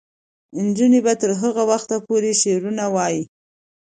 نجونې به تر هغه وخته پورې شعرونه وايي.